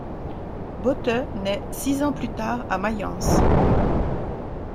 Bote naît six ans plus tard à Mayence.